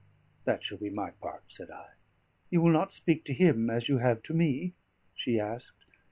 "That shall be my part," said I. "You will not speak to him as you have to me?" she asked.